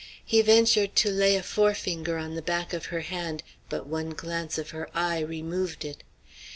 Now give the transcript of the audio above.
He ventured to lay a forefinger on the back of her hand, but one glance of her eye removed it.